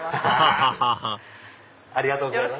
アハハハありがとうございます！